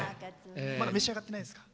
まだ召し上がってないですか？